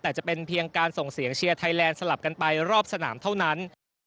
แต่จะเป็นเพียงการส่งเสียงเชียร์ไทยแลนด์สลับกันไปรอบสนามเท่านั้น